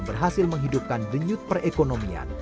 berhasil menghidupkan denyut perekonomian